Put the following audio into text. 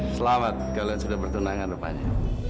selamat kalian sudah bertenangan rupanya